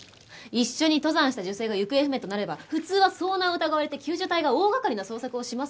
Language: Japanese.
一緒に登山した女性が行方不明となれば普通は遭難を疑われて救助隊が大掛かりな捜索をしますよね。